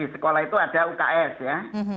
di sekolah itu ada uks ya